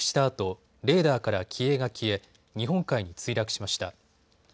あとレーダーから機影が消え日本海に墜落しました。